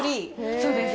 そうです。